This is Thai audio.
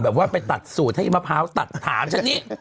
แบบว่าไปตัดสูตรให้มะพร้าวตัดถ่านชนี้